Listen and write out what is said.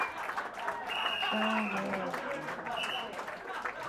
Tsyàsə̀ ghâ.